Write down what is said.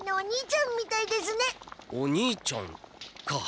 お兄ちゃんか。